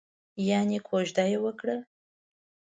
یانې کوژده یې وکړه؟